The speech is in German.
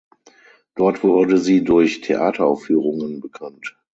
Dort wurde sie durch Theateraufführungen bekannt.